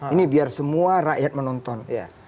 ini biar semua rakyat menonton